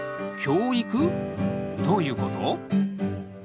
教育？どういうこと？